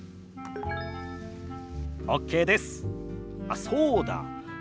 あっそうだ。